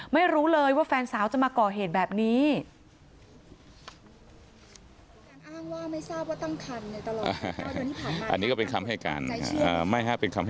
ไม่รู้เลยว่าแฟนสาวจะมาก่อเหตุแบบนี้